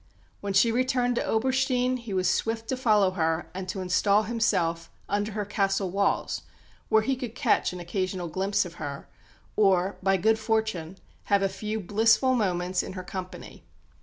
When she returned to Oberstein he was swift to follow her and to install himself under her castle walls, where he could catch an occasional glimpse of her, or, by good fortune, have a few blissful moments in her company.